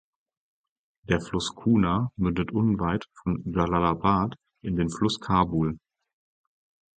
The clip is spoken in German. Der Fluss Kunar mündet unweit von Dschalalabad in den Fluss Kabul.